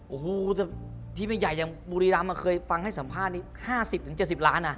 โอ้โฮทีมใหญ่อย่างบุรีรัมป์เคยฟังให้สัมภาษณ์๕๐๗๐ล้าน